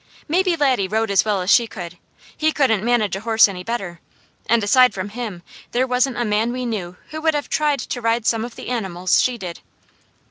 Maybe Laddie rode as well as she could; he couldn't manage a horse any better, and aside from him there wasn't a man we knew who would have tried to ride some of the animals she did.